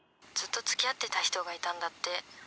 ずっとつきあってた人がいたんだって。